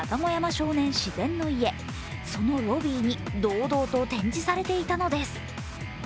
少年自然の家、そのロビーに堂々と展示されていたのです。